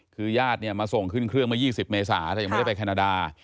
คือญาติเนี่ยมาส่งขึ้นเครื่องเมื่อ๒๐เมษาแต่ยังไม่ได้ไปแคนาดา